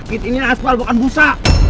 ini asfal bukan busa